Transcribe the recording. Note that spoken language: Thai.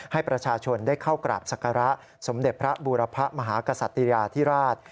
ให้ประชาชนได้เข้ากราบศักระสมเด็จพระบูรพะมหากษัตริยาธิราช